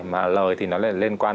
mà lời thì nó lại liên quan